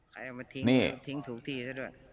ใครเอามาทิ้งถูกที่ซะด้วย